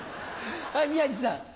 はい宮治さん。